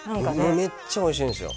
めっちゃおいしいんですよ